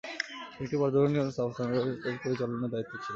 তিনি একটি পর্যবেক্ষণ কেন্দ্র স্থাপন করেন ও এর পরিচালনার দায়িত্বে ছিলেন।